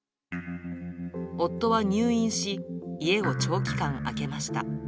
夫は入院し、家を長期間、空けました。